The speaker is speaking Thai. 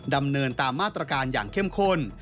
ดำเนินตามมาตรการอย่างเข้มข้น